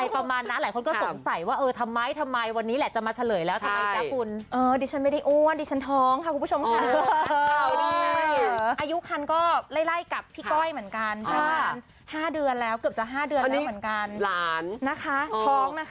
ประมาณ๕เดือนแล้วเกือบจะ๕เดือนแล้วเหมือนกัน